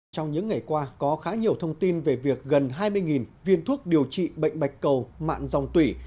trong những ngày qua có khá nhiều thông tin về việc gần hai mươi viên thuốc điều trị bệnh bạch cầu mạng dòng tủy